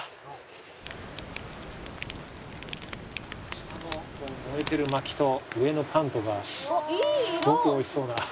下の燃えてる薪と上のパンとがすごく美味しそうな。